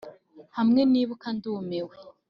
hamwe nibuka ndumiwe.